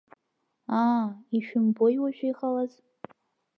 Аа, ишәымбои уажәы иҟалаз.